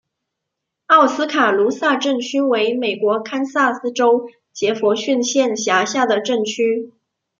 奥斯卡卢萨镇区为美国堪萨斯州杰佛逊县辖下的镇区。